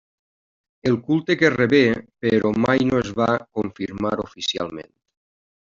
El culte que rebé, però, mai no es va confirmar oficialment.